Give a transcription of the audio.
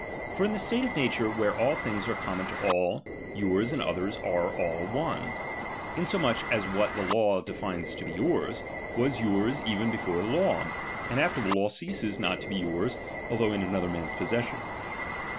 For in the state of nature where all things are common to all, jjours and others are all one; insomuch as what the law de fines to be yours, was yours even before the law, and after the law ceases not to be yours, although in another man's possession.